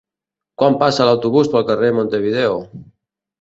Quan passa l'autobús pel carrer Montevideo?